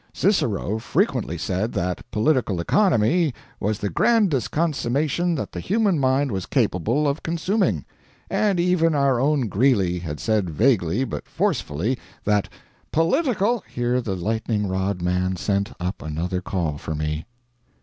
Cicero frequently said that political economy was the grandest consummation that the human mind was capable of consuming; and even our own Greeley had said vaguely but forcibly that "Political [Here the lightning rod man sent up another call for me.